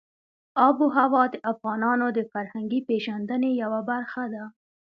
آب وهوا د افغانانو د فرهنګي پیژندنې یوه برخه ده.